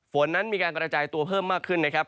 ฝนนั้นมีการกระจายตัวเพิ่มมากขึ้นนะครับ